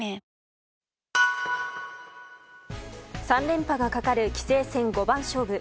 ３連覇がかかる棋聖戦五番勝負。